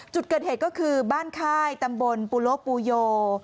จุดเกิดเหตุก็คือบ้านค่ายตำบลปูโลปูโย